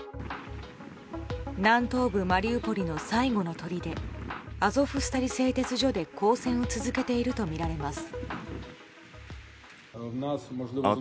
南東部マリウポリの最後のとりでアゾフスタリ製鉄所で抗戦を続けているとみられます。